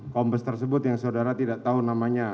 kombes tersebut yang saudara tidak tahu namanya